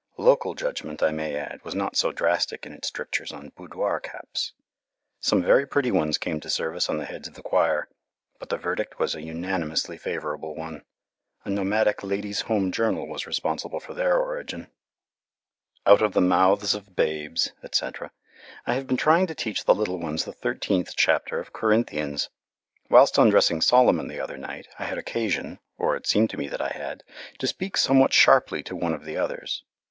Local judgment, I may add, was not so drastic in its strictures on boudoir caps. Some very pretty ones came to service on the heads of the choir, but the verdict was a unanimously favourable one. A nomadic Ladies' Home Journal was responsible for their origin. [Illustration: THE PROPHET OF DOOM] "Out of the mouths of babes," etc. I have been trying to teach the little ones the thirteenth chapter of Corinthians. Whilst undressing Solomon the other night I had occasion, or it seemed to me that I had, to speak somewhat sharply to one of the others.